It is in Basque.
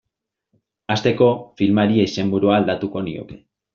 Hasteko, filmari izenburua aldatuko nioke.